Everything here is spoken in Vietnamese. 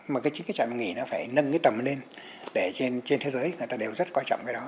mà cái trạm dừng nghỉ nó phải nâng cái tầm lên để trên thế giới người ta đều rất quan trọng cái đó